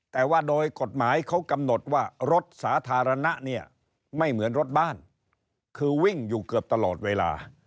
แต่ว่าโดยกฎหมายเขากำหนดว่ารถสาธารณะเนี่ยไม่เหมือนรถบ้านคือวิ่งอยู่เกือบตลอดเวลา